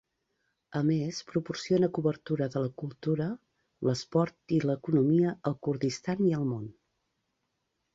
A més, proporciona cobertura de la cultura, l'esport i l'economia al Kurdistan i al món.